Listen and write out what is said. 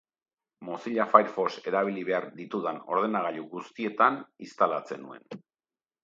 Mozilla Firefox erabili behar ditudan ordenagailu guztietan instalatzen nuen.